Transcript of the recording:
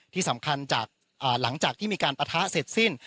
ที่สำคัญจากหลังจากที่มีการปะทะเสร็จสิ้น